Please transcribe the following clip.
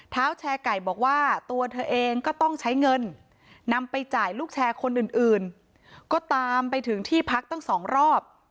แชร์ไก่บอกว่าตัวเธอเองก็ต้องใช้เงินนำไปจ่ายลูกแชร์คนอื่นก็ตามไปถึงที่พักตั้งสองรอบ